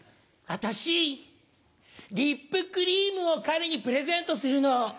私リップクリームを彼にプレゼントするの。